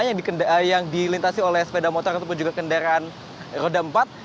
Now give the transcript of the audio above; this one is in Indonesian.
yang dilintasi oleh sepeda motor ataupun juga kendaraan roda empat